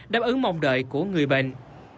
đáp ứng mong đợi của người bệnh